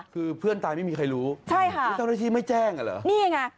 คือเพื่อนตายไม่มีใครรู้ไม่ต้องได้ที่ไม่แจ้ง